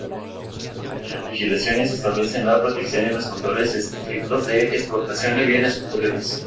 Las legislaciones establecen la protección y los controles estrictos de exportación de bienes culturales.